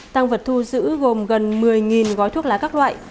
tăng vật thu giữ gồm gần một mươi gói thuốc lá các loại